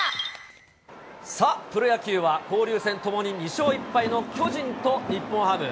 さあ、プロ野球は交流戦ともに２勝１敗の巨人と日本ハム。